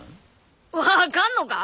分かんのか？